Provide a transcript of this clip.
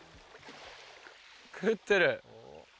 食ってる。